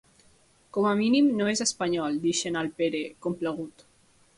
Com a mínim no és espanyol —deixa anar el Pere, complagut.